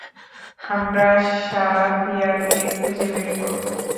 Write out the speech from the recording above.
আমরা সারাহ ফিয়ারকে খুঁজে বের করব!